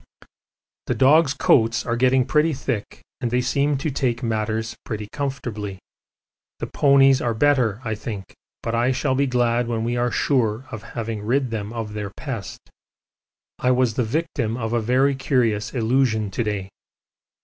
The dogs' coats are getting pretty thick, and they seem to take matters pretty comfortably. The ponies are better, I think, but I shall be glad when we are sure of having rid them of their pest. I was the victim of a very curious illusion to day.